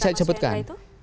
ya tadi saya sebutkan